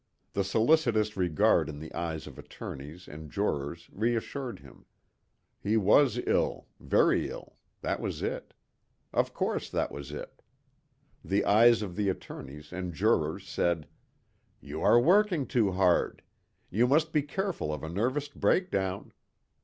The solicitous regard in the eyes of attorneys and jurors reassured him. He was ill, very ill that was it. Of course, that was it. The eyes of the attorneys and jurors said, "You are working too hard. You must be careful of a nervous breakdown.